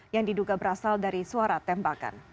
yang diduga berasal dari suara tembakan